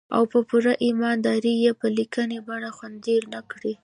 او په پوره ايمان دارۍ يې په ليکني بنه خوندي نه کړي.